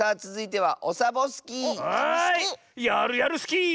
はいやるやるスキー！